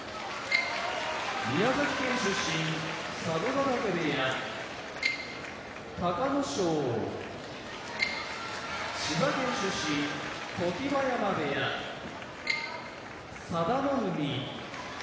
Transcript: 宮崎県出身佐渡ヶ嶽部屋隆の勝千葉県出身常盤山部屋佐田の海